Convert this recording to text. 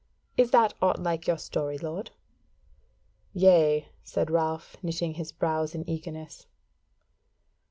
Is that aught like to your story, lord?" "Yea," said Ralph, knitting his brows in eagerness.